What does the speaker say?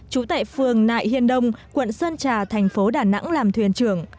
trú tại phường nại hiên đông quận sơn trà thành phố đà nẵng làm thuyền trưởng